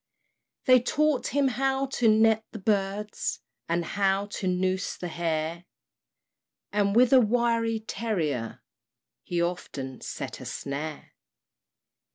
They taught him how to net the birds, And how to noose the hare; And with a wiry terrier, He often set a snare.